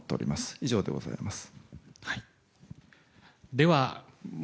以上でございます。